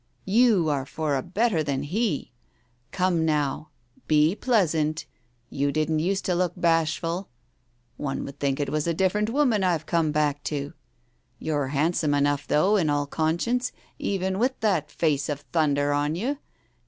You are for a better than he. Come now — be pleasant ! You didn't use to look bashful. One would think it was a different woman I've come back to. You're handsome enough, though, in all conscience, even with that face of thunder on you.